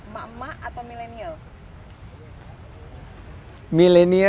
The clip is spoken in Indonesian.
mama atau millennial